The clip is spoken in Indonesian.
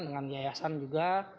dan diayasan juga